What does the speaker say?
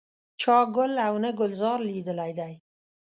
چا ګل او نه ګلزار لیدلی دی.